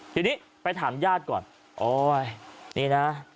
ทีนี้ไปถามญาติก่อนโอ๊ยนี่นะ